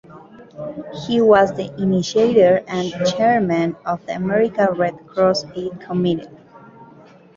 He was the initiator and chairman of the American Red Cross Aid Committee.